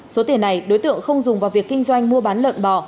số tiền này đối tượng không dùng vào việc kinh doanh mua bán lợn bò